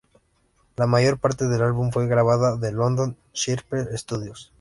La mayor parte del álbum fue grabada en London's Sphere Studios.